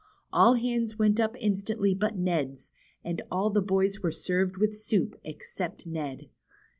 All hands went up instantly but Ned's, and all the boys were served with soup except Ned.